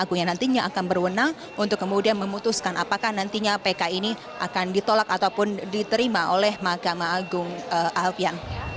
yang nantinya akan berwenang untuk kemudian memutuskan apakah nantinya pk ini akan ditolak ataupun diterima oleh mahkamah agung alfian